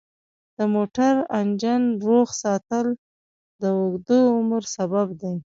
د موټر انجن روغ ساتل د اوږده عمر سبب دی.